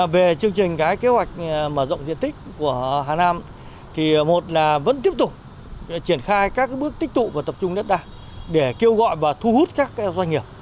về chương trình kế hoạch mở rộng diện tích của hà nam thì một là vẫn tiếp tục triển khai các bước tích tụ và tập trung đất đa để kêu gọi và thu hút các doanh nghiệp